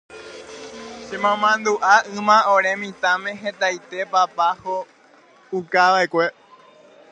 chemomandu'a yma ore mitãme hetaite papá ho'ukava'ekue